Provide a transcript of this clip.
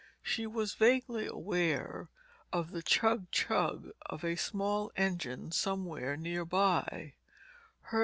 She was vaguely aware of the chug chug of a small engine somewhere near by.